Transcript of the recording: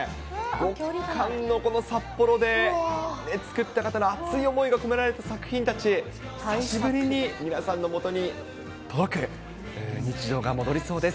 極寒のこの札幌で、作った方の熱い思いが込められた作品たち、久しぶりに皆さんのもとに届く日常が戻りそうです。